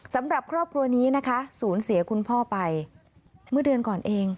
สำหรับครอบครัวนี้นะคะศูนย์เสียคุณพ่อไปเมื่อเดือนก่อนเอง